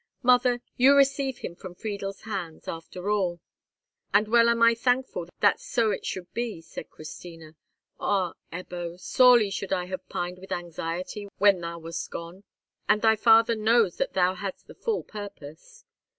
Mother, you receive him from Friedel's hands, after all." "And well am I thankful that so it should be," said Christina. "Ah, Ebbo! sorely should I have pined with anxiety when thou wast gone. And thy father knows that thou hadst the full purpose."